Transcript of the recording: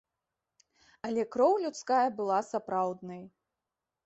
Але кроў людская была сапраўднай.